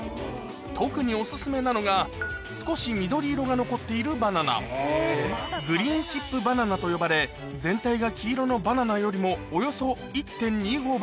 特にお薦めなのが少し緑色が残っているバナナグリーンチップバナナと呼ばれ全体が黄色のバナナよりもおよそ１．２５倍